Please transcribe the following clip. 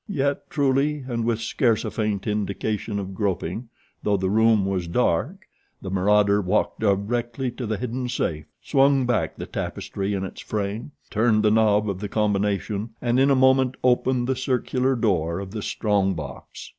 Yet, truly and with scarce a faint indication of groping, though the room was dark, the marauder walked directly to the hidden safe, swung back the tapestry in its frame, turned the knob of the combination and in a moment opened the circular door of the strong box.